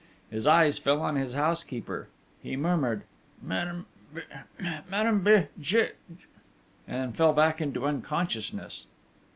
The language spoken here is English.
His eyes fell on his housekeeper. He murmured: 'Mme ... Bé ju ... je...,' and fell back into unconsciousness.